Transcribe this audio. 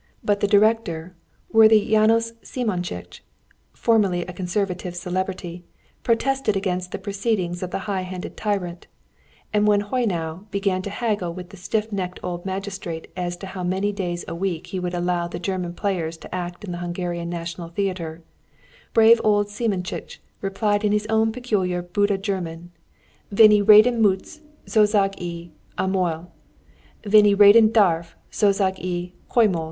But the director, worthy János Simoncsics, formerly a Conservative celebrity, protested against the proceedings of the high handed tyrant, and when Haynau began to haggle with the stiff necked old magistrate as to how many days a week he would allow the German players to act in the Hungarian National Theatre, brave old Simoncsics replied in his own peculiar Buda German: "Wen i reden musz, so sag i: amol; wen i reden darf, so sag i: komol."